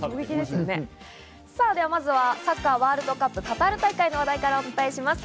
まずはサッカーワールドカップ、カタール大会の話題からお伝えします。